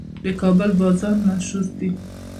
د کابل بازان مشهور دي